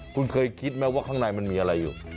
คุณเคยคิดไหมว่าข้างในมันมีอะไรอยู่